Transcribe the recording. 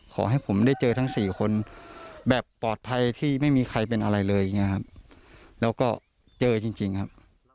ขอให้ผมได้เจอทั้งสี่คนแบบปลอดภัยที่ไม่มีใครเป็นอะไรเลยอย่างเงี้ยครับแล้วก็เจอจริงครับ